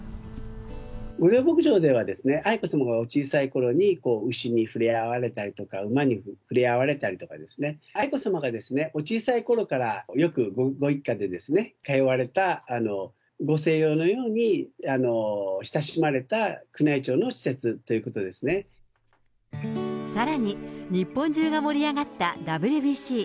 御料牧場では愛子さまがお小さいころに牛に触れ合われたりとか、馬に触れ合われたりとかですね、愛子さまがお小さいころからよくご一家で通われた、ご静養のように親しまれた、さらに、日本中が盛り上がったＷＢＣ。